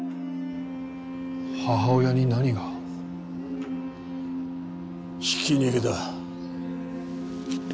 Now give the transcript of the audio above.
母親に何が？ひき逃げだ。